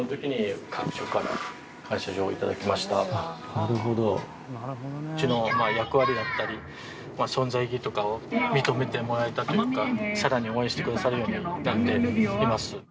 うちの役割だったり存在意義とかを認めてもらえたというか更に応援してくださるようになっています。